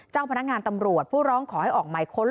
เจ้าพนักงานตำรวจผู้ร้องขอให้ออกหมายค้น